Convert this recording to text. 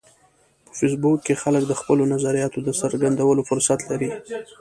په فېسبوک کې خلک د خپلو نظریاتو د څرګندولو فرصت لري